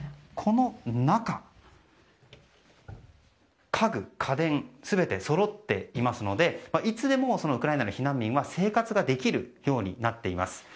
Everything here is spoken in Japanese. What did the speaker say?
この中、家具、家電全てそろっていますのでいつでもウクライナからの避難民は生活ができるようになっています。